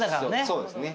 そうですね。